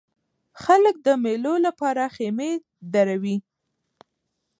خلک د مېلو له پاره خیمې دروي.